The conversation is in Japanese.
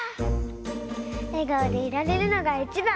えがおでいられるのがいちばん！